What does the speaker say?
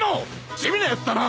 地味なやつだな！